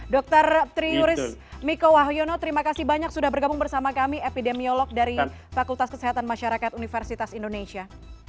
dr triuris miko wahyono terima kasih banyak sudah bergabung bersama kami epidemiolog dari fakultas kesehatan masyarakat universitas indonesia